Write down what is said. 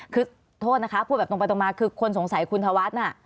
คือโทษนะคะพูดแบบตรงไปตรงมาคือคนสงสัยคุณธวัฒน์น่ะ